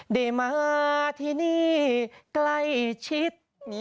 ได้มาที่นี่ใกล้ชิด